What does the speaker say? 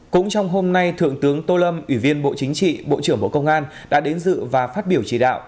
cũng trong hôm nay thượng tướng tô lâm ủy viên bộ chính trị bộ trưởng bộ công an đã đến dự và phát biểu chỉ đạo